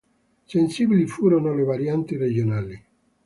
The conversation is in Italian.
Sensibili furono le varianti regionali.